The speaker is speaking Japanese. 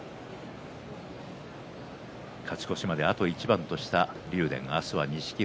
勝ち越しまであと一番とした竜電です。